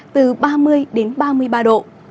từ ba mươi đến ba mươi ba độ